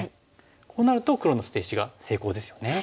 こうなると黒の捨て石が成功ですよね。